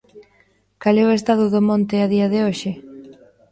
Cal é o estado do monte a día de hoxe?